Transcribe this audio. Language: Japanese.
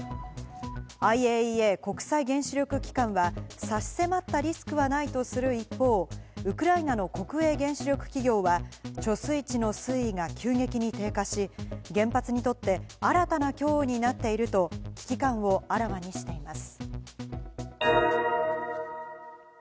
ＩＡＥＡ＝国際原子力機関は差し迫ったリスクはないとする一方、ウクライナの国営原子力企業は貯水池の水位が急激に低下し、原発にとって新たな脅威になっていると危機感をあらわにしています。